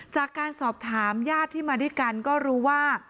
จากการสอบถามญาติที่มาด้วยกันก็รู้ว่า